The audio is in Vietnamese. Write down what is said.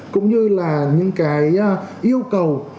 cũng như là những cái yêu cầu